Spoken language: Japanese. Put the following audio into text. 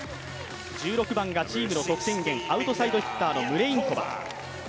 １６番がチームの得点源、アウトサイドヒッターのムレインコバ。